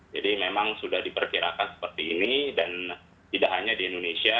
jadi memang sudah diperkirakan seperti ini dan tidak hanya di indonesia